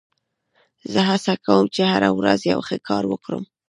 زه هڅه کوم، چي هره ورځ یو ښه کار وکم.